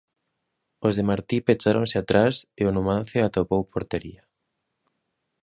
Os de Martí pecháronse atrás e o Numancia atopou portería.